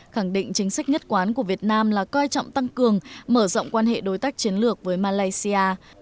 khẳng định chính sách nhất quán của việt nam là coi trọng tăng cường mở rộng quan hệ đối tác chiến lược với malaysia